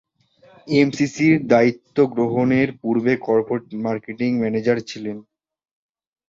এমসিসি’র এ দায়িত্ব গ্রহণের পূর্বে কর্পোরেট মার্কেটিং ম্যানেজার ছিলেন।